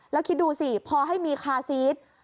แล้วคิดดูสิพอให้มีคาซีส